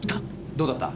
どうだった？